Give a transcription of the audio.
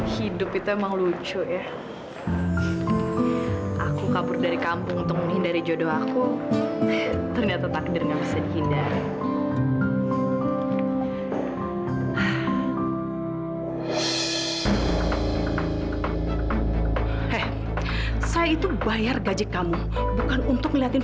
sampai jumpa di video selanjutnya